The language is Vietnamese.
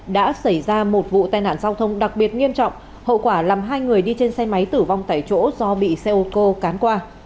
đã xảy ra một vụ tai nạn giao thông đặc biệt nghiêm trọng hậu quả làm hai người đi trên xe máy tử vong tại chỗ do bị xe ô tô cán qua